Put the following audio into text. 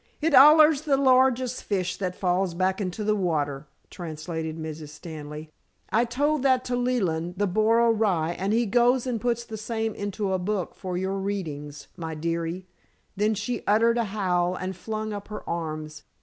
"It's allers the largest fish that falls back into the water," translated Mrs. Stanley. "I told that to Leland, the boro rye, and he goes and puts the same into a book for your readings, my dearie!" then she uttered a howl and flung up her arms.